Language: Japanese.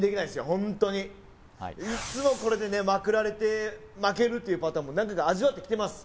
ホントにいつもこれでねまくられて負けるっていうパターンも何回か味わってきてます